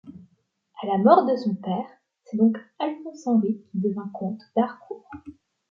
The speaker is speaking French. À la mort de son père, c'est donc Alphonse-Henri qui devient comte d'Harcourt.